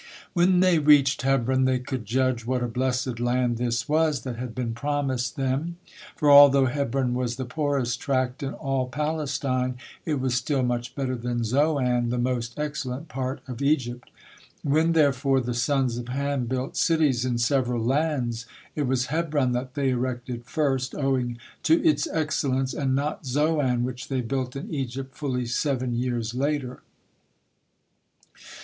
When they reached Hebron, they could judge what a blessed land this was that had been promised them, for although Hebron was the poorest tract in all Palestine, it was still much better than Zoan, the most excellent part of Egypt. When, therefore, the sons of Ham built cities in several lands, it was Hebron that they erected first, owing to its excellence, and not Zoan, which they built in Egypt fully seven years later.